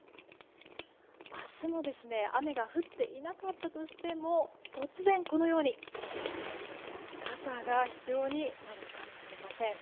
明日も雨が降っていなかったとしても突然、このように傘が必要になるかもしれません。